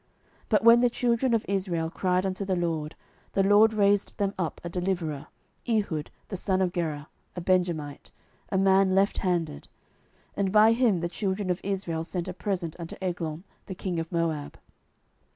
07:003:015 But when the children of Israel cried unto the LORD, the LORD raised them up a deliverer, Ehud the son of Gera, a Benjamite, a man lefthanded: and by him the children of Israel sent a present unto Eglon the king of Moab.